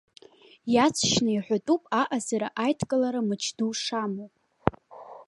Иаҵшьны иҳәатәуп, аҟазара аидкылара мыч ду шамоу.